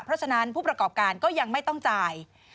เพราะฉะนั้นผู้ประกอบการก็ยังไม่ต้องจ่าย